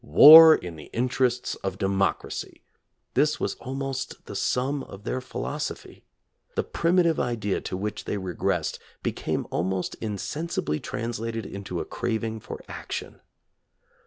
War in the interests of democracy! This was almost the sum of their philosophy. The primitive idea to which they regressed became almost insensibly translated into a craving for action.